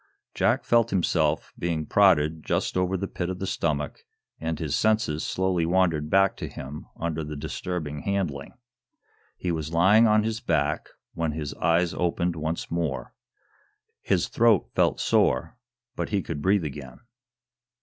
Jack felt himself being prodded just over the pit of the stomach, and his senses slowly wandered back to him under the disturbing handling. He was lying on his back, when his eyes opened once more. His throat felt sore, but he could breathe again.